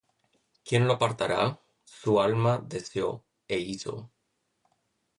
¿quién lo apartará? Su alma deseó, é hizo.